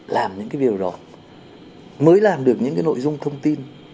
làm những cái điều đó mới làm được những cái nội dung thông tin